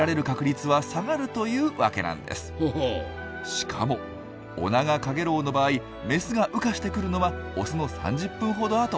しかもオナガカゲロウの場合メスが羽化してくるのはオスの３０分ほどあと。